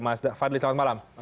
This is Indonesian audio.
mas fadli selamat malam